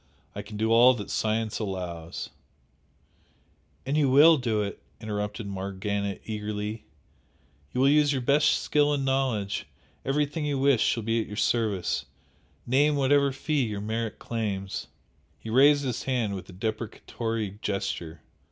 I can do all that science allows " "And you will do it!" interrupted Morgana eagerly, "You will use your best skill and knowledge everything you wish shall be at your service name whatever fee your merit claims " He raised his hand with a deprecatory gesture.